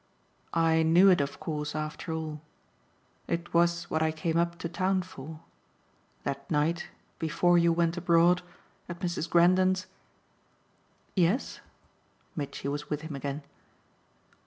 "I knew it of course after all. It was what I came up to town for. That night, before you went abroad, at Mrs. Grendon's " "Yes?" Mitchy was with him again.